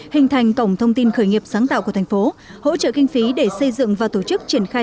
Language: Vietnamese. hình thành cổng thông tin khởi nghiệp sáng tạo của thành phố hỗ trợ kinh phí để xây dựng và tổ chức triển khai